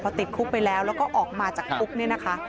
พอติดคุกไปแล้วแล้วก็ออกมาจากคุกเนี่ยนะคะ